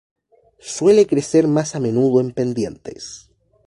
Suele crecer más a menudo en pendientes.